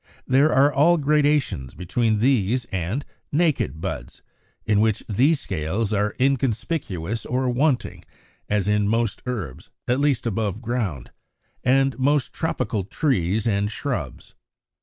There are all gradations between these and 52. =Naked Buds=, in which these scales are inconspicuous or wanting, as in most herbs, at least above ground, and most tropical trees and shrubs.